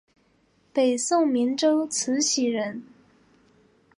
北宋明州慈溪人。